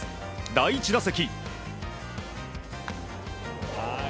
第１打席。